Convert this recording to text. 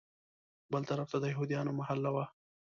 بل طرف ته د یهودیانو محله وه.